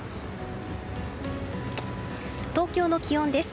東京の気温です。